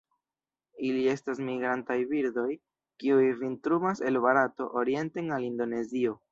Ili estas migrantaj birdoj, kiuj vintrumas el Barato orienten al Indonezio.